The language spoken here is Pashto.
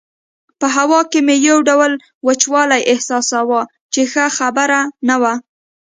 په هوا کې مې یو ډول وچوالی احساساوه چې ښه خبره نه وه.